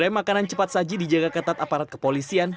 rem makanan cepat saji dijaga ketat aparat kepolisian